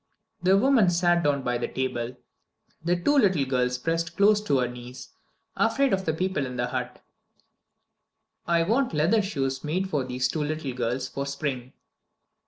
The woman sat down by the table. The two little girls pressed close to her knees, afraid of the people in the hut. "I want leather shoes made for these two little girls for spring."